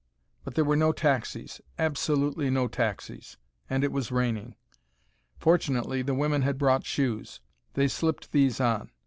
But there were no taxis absolutely no taxis. And it was raining. Fortunately the women had brought shoes. They slipped these on.